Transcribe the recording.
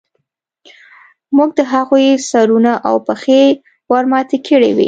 موږ د هغوی سرونه او پښې ورماتې کړې وې